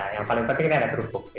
yang paling penting ada terupuk